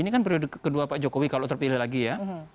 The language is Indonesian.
ini kan periode kedua pak jokowi kalau terpilih lagi ya